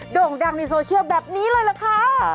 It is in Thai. โด่งดังในโซเชียลแบบนี้เลยล่ะค่ะ